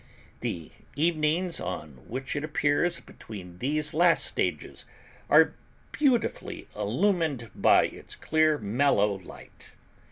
The evenings on which it appears between these last stages are beautifully illumined by its clear, mellow light.